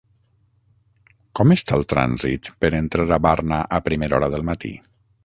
Com està el trànsit per entrar a Barna a primera hora del matí?